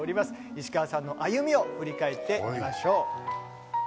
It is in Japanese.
石川さんの歩みを振り返ってみましょう。